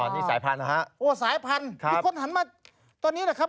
อ๋อนี่สายพันธ์นะฮะโอ้สายพันธ์ครับมีคนหันมาตอนนี้แหละครับ